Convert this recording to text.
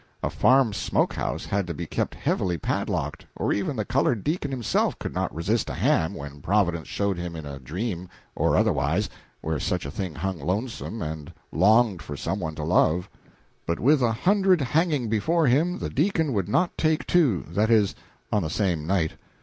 A farm smoke house had to be kept heavily padlocked, for even the colored deacon himself could not resist a ham when Providence showed him in a dream, or otherwise, where such a thing hung lonesome and longed for some one to love. But with a hundred hanging before him the deacon would not take two that is, on the same night.